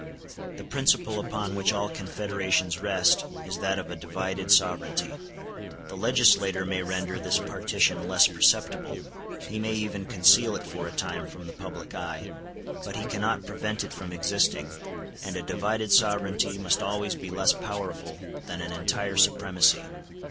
The principle upon which all confederations rest is that of a divided sovereignty. The legislator may render this partition less perceptible, he may even conceal it for a time from the public eye, but he cannot prevent it from existing, and a divided sovereignty must always be less powerful than an entire supremacy.